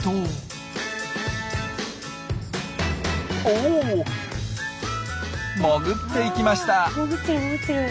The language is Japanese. おお潜っていきました。